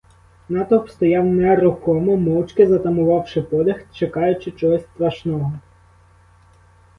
Натовп стояв нерухомо, мовчки, затамувавши подих, чекаючи чогось страшного.